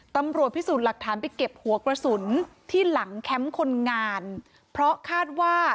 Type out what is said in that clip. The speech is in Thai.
ตำรวจพิสูจน์หลักฐานไปเก็บหัวกระสุนที่หลังแคมป์คนงานเพราะคาดว่า